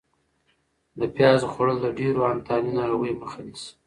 د پیازو خوړل د ډېرو انتاني ناروغیو مخه نیسي.